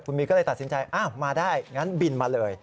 คุณมีก็เลยตัดสินใจอะมาได้อย่างนั้นบินมาเลย